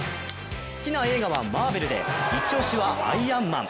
好きな映画は「マーベル」で、一押しは「アイアンマン」。